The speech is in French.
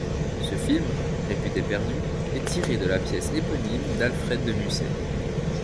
Ce film, réputé perdu, est tiré de la pièce éponyme d'Alfred de Musset.